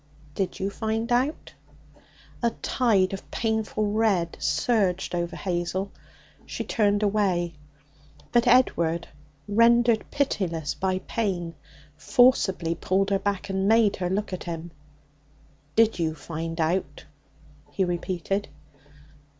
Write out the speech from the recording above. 'Did you find out?' A tide of painful red surged over Hazel; she turned away. But Edward, rendered pitiless by pain, forcibly pulled her back, and made her look at him. 'Did you find out?' he repeated.